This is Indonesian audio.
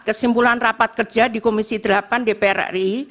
kesimpulan rapat kerja di komisi delapan dpr ri